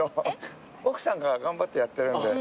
奥さんが頑張ってやってるんで。